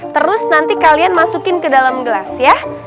terus nanti kalian masukin ke dalam gelas ya